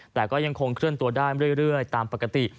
แต่ก็ยังคงเคลื่อนตัวได้เรื่อยตามปกติ